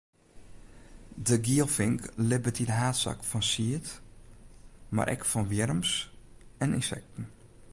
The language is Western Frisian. De gielfink libbet yn haadsaak fan sied, mar ek fan wjirms en ynsekten.